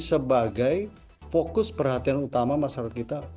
sebagai fokus perhatian utama masyarakat kita